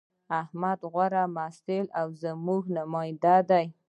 احمد غوره محصل او زموږ نماینده دی